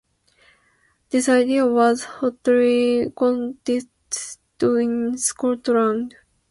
This idea was hotly contested in Scotland.